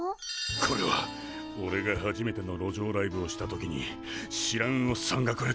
これはおれが初めての路上ライブをした時に知らんおっさんがくれた。